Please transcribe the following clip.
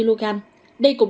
đây cũng là biến động